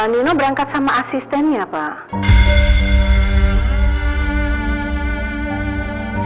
nino berangkat sama asistennya pak